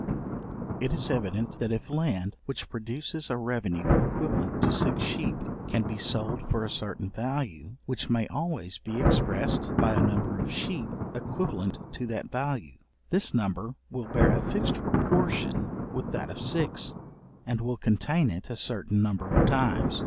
It is evident, that if land, which produces a revenue equivalent to six sheep, can be sold for a certain value, which may always be expressed by a number of sheep equivalent to that value; this number will bear a fixed proportion with that of six, and will contain it a certain number of times.